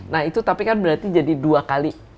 nah itu tapi kan berarti jadi dua kali